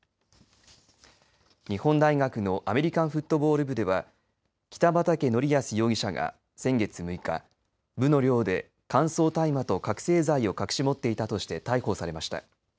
日本大学のアメリカンフットボール部では北畠成文容疑者が先月６日、部の寮で乾燥大麻と覚醒剤を隠し持っていたとして逮捕されました。